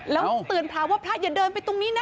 แล้วเตือนพระว่าพระอย่าเดินไปตรงนี้นะ